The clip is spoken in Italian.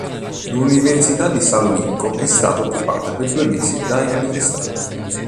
L'Università di Salonicco è stata occupata per due mesi dai manifestanti.